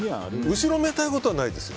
後ろめたいことはないですよ。